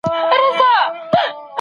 سياست له هغو اندونو ګټه اخلي چې عملي وي.